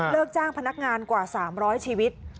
จ้างพนักงานกว่า๓๐๐ชีวิต